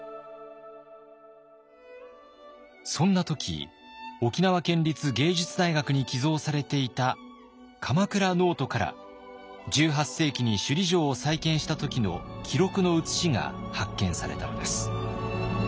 そんな時沖縄県立芸術大学に寄贈されていた鎌倉ノートから１８世紀に首里城を再建した時の記録の写しが発見されたのです。